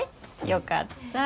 よかった。